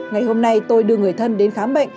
ngày hôm nay tôi đưa người thân đến khám bệnh